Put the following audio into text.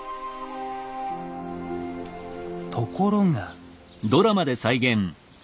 ところが。